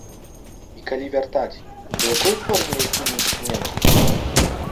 І калі вяртаць, то ў якой форме і якімі інструментамі?